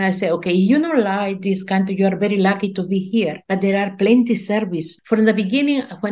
dari awal ketika saya tahu ada sesuatu yang berlaku terutama anak anak ketika mereka tiga atau empat tahun